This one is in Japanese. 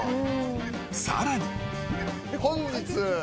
さらに